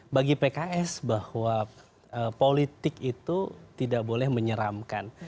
bagi pks bahwa politik itu tidak boleh menyeramkan